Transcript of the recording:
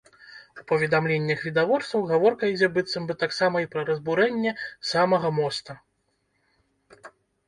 У паведамленнях відавочцаў гаворка ідзе быццам бы таксама і пра разбурэнне самага моста.